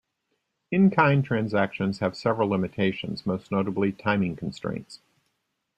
In-kind transactions have several limitations, most notably timing constraints.